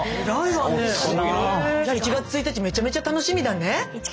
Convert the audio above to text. じゃ１月１日めちゃめちゃ楽しみだね。